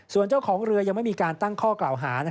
ส่วนเจ้าของเรือยังไม่มีการตั้งข้อกล่าวหา